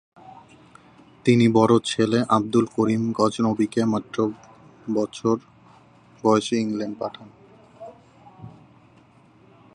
তিনি বড় ছেলে আবদুল করিম গজনবীকে মাত্র বছর বয়সেই ইংল্যান্ড পাঠান।